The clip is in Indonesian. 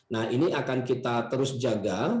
nah ini akan kita terus jaga